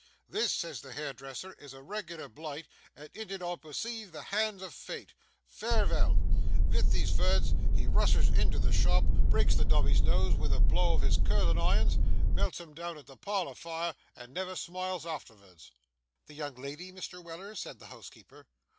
"This," says the hairdresser, "is a reg'lar blight, and in it I perceive the hand of Fate. Farevell!" Vith these vords he rushes into the shop, breaks the dummy's nose vith a blow of his curlin' irons, melts him down at the parlour fire, and never smiles artervards.' 'The young lady, Mr. Weller?' said the housekeeper.